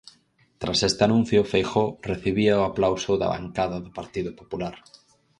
Tras este anuncio Feijóo recibía o aplauso da bancada do Partido Popular.